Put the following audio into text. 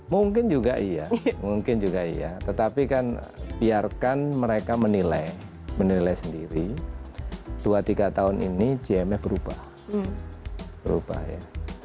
mungkin juga iya mungkin juga iya tetapi kan biarkan mereka menilai menilai sendiri dua tiga tahun ini gmf berubah berubah ya